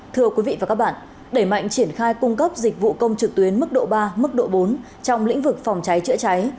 thưa quý vị và các bạn đẩy mạnh triển khai cung cấp dịch vụ công trực tuyến mức độ ba mức độ bốn trong lĩnh vực phòng cháy chữa cháy